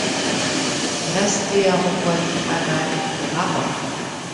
Restait à envoyer Abane au Maroc.